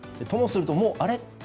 ともすると、あれ？